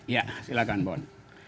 ya silahkan bon